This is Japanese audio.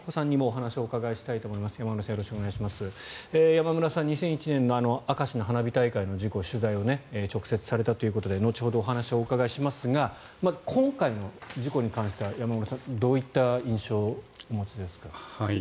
山村さん、２００１年の明石の花火大会の事故取材を直接されたということで後ほどお話を伺いますが今回の事故に関してはどういった印象をお持ちですか。